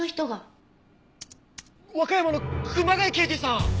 和歌山の熊谷刑事さん！